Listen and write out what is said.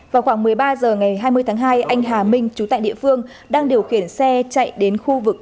vào khoảng một mươi ba h ngày hai mươi tháng hai anh hà minh chú tại địa phương đang điều khiển xe chạy đến khu vực